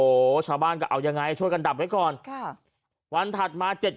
โอ้โหชาวบ้านก็เอายังไงช่วยกันดับไว้ก่อนค่ะวันถัดมาเจ็ด